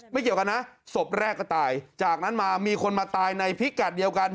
เกี่ยวกันนะศพแรกก็ตายจากนั้นมามีคนมาตายในพิกัดเดียวกัน